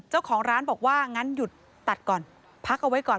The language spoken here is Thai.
เจ้าของร้านบอกว่างั้นหยุดตัดก่อนพักเอาไว้ก่อน